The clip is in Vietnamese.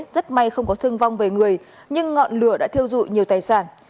rất may không có thương vong về người nhưng ngọn lửa đã thiêu dụi nhiều tài sản